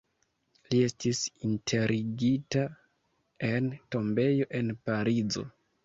Li estis enterigita en tombejo en Parizo.